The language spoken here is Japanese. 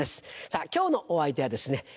さぁ今日のお相手はですね